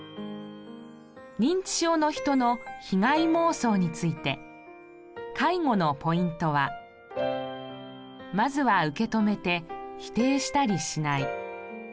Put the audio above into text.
認知症の人の被害妄想について介護のポイントはまずは受け止めて否定したりしない。